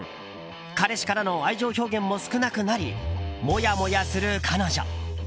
彼氏からの愛情表現も少なくなりもやもやする彼女。